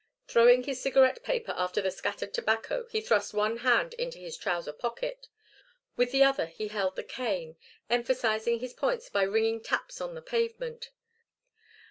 Throwing his cigarette paper after the scattered tobacco he thrust one hand into his trouser pocket. With the other he held the cane, emphasising his points by ringing taps upon the pavement.